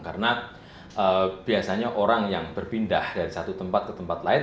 karena biasanya orang yang berpindah dari satu tempat ke tempat lain